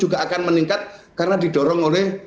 juga akan meningkat karena didorong oleh